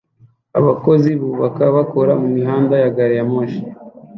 Abakozi bubaka bakora mumihanda ya gari ya moshi